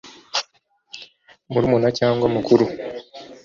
Murumuna cyangwa mukuru